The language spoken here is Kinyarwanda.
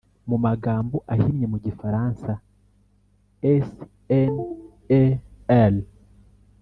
Mu magambo ahinnye mu gifaransa sner